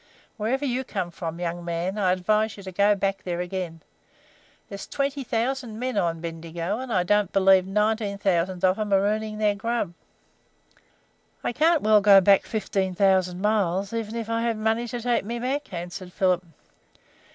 Wherever you come from, young man, I advise you to go back there again. There's twenty thousand men on Bendigo, and I don't believe nineteen thousand of 'em are earning their grub." "I can't well go back fifteen thousand miles, even if I had money to take me back," answered Philip.